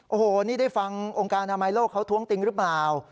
โอ้โหนี่ได้ฟังองค์การอนามัยโลกเขาท้วงติงหรือเปล่า